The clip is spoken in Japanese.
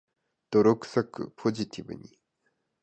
泥臭く、ポジティブに